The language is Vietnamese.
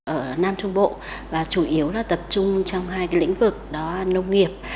ở nam trung bộ và chủ yếu là tập trung trong hai cái lĩnh vực đó là nông nghiệp